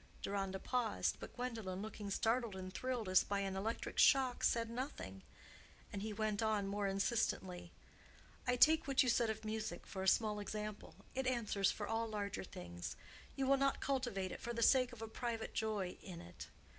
Deronda paused, but Gwendolen, looking startled and thrilled as by an electric shock, said nothing, and he went on more insistently, "I take what you said of music for a small example—it answers for all larger things—you will not cultivate it for the sake of a private joy in it.